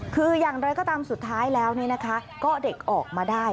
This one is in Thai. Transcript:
คืออย่างไรก็ตามสุดท้ายแล้วก็เด็กออกมาได้